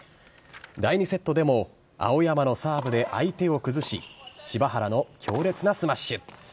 第２セットでも青山のサーブで相手を崩し、柴原の強烈なスマッシュ。